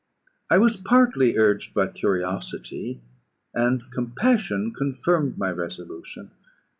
I was partly urged by curiosity, and compassion confirmed my resolution.